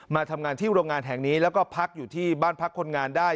มาทำงานที่โรงงานแห่งนี้แล้วก็พักอยู่ที่บ้านพักคนงานได้